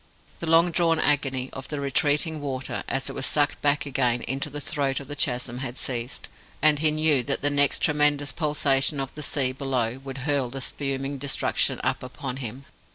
The long drawn agony of the retreating water as it was sucked back again into the throat of the chasm had ceased, and he knew that the next tremendous pulsation of the sea below would hurl the spuming destruction up upon him.